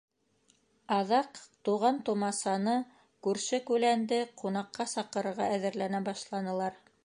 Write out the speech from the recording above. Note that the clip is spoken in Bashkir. Аҙаҡ туған-тыумасаны, күрше-күләнде ҡунаҡҡа саҡырырға әҙерләнә башланылар.